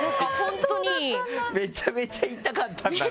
めちゃめちゃ痛かったんだね。